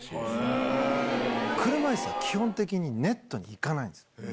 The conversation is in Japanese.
車いすは基本的にネットに行かないんですよ。